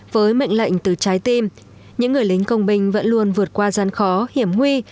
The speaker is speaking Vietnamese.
với mệnh lệnh từ trái tim những người lính công binh vẫn luôn vượt qua gian khó hiểm huy